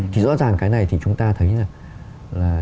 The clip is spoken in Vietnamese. thì rõ ràng cái này thì chúng ta thấy rằng là